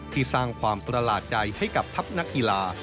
ที่สร้างความตลาดใจให้กับทัพนักอีลา